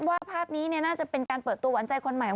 ว่าภาพนี้เนี่ยน่าจะเป็นการเปิดตัวหวัดใจคนใหม่ของ